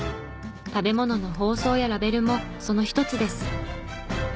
食べ物の包装やラベルもその一つです。